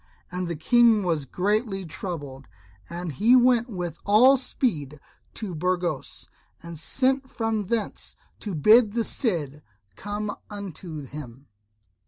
And the King was greatly troubled. And he went with all speed to Burgos, and sent from thence to bid the Cid come unto him.